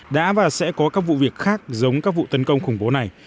đã và sẽ có các vụ việc khác giống các vụ tấn công khủng bố này